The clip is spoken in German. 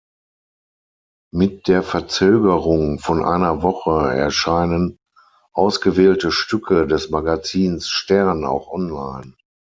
Mit der Verzögerung von einer Woche erscheinen ausgewählte Stücke des Magazins "stern" auch online.